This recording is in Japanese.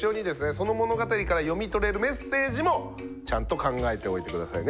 その物語から読み取れるメッセージもちゃんと考えておいて下さいね